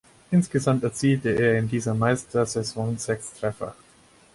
Insgesamt erzielte er in dieser Meistersaison sechs Treffer.